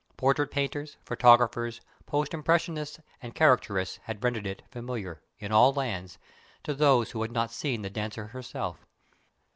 Portrait painters, photographers, post impressionists, and caricaturists had rendered it familiar, in all lands, to those who had not seen the dancer herself.